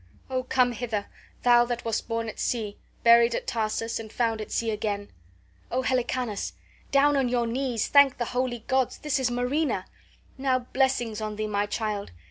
Oh, come hither, thou that wast born at sea, buried at Tarsus, and found at sea again. O Helicanus, down on your knees, thank the holy gods! This is Marina. Now blessings on thee, my child!